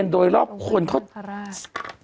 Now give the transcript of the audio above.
สวัสดีครับคุณผู้ชม